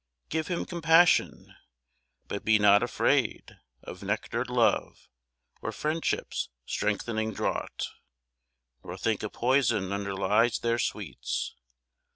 Give him compassion! But be not afraid Of nectared Love, or Friendship's strengthening draught, Nor think a poison underlies their sweets.